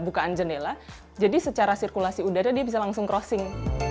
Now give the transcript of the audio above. bukaan jendela jadi secara sirkulasi udara dia bisa langsung crossing